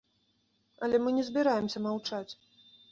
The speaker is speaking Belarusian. Але мы не збіраемся маўчаць.